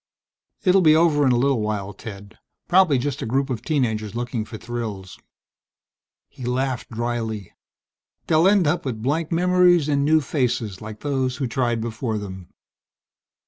"It will be over in a little while, Ted. Probably just a group of teen agers looking for thrills." He laughed drily. "They'll end up with blanked memories and new faces like those who tried before them."